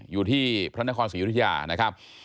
อยู่ที่พระนครศรียุธยานะครับ